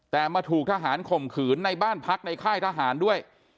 แต่มาถูกทหารข่มขืนในบ้านพักในค่ายทหารด้วย